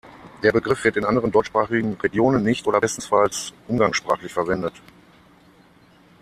Der Begriff wird in anderen deutschsprachigen Regionen nicht oder bestenfalls umgangssprachlich verwendet.